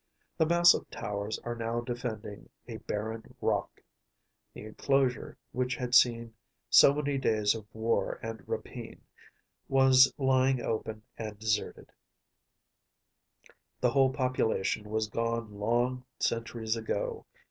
The massive towers are now defending a barren rock; the enclosure which had seen so many days of war and rapine was lying open and deserted; the whole population was gone long centuries ago.